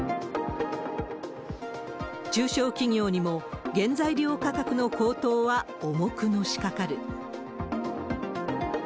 中小企業にも、原材料価格の高騰は重くのしかかる。